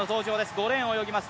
５レーンを泳ぎます